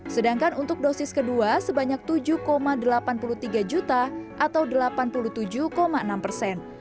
sedangkan untuk dosis kedua sebanyak tujuh delapan puluh tiga juta atau delapan puluh tujuh enam persen